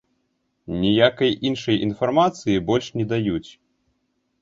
Ніякай іншай інфармацыі больш не даюць.